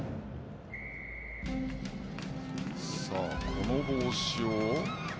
この帽子を。